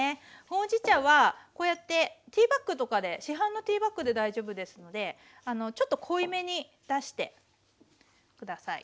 ほうじ茶はこうやってティーバッグとかで市販のティーバッグで大丈夫ですのでちょっと濃いめに出して下さい。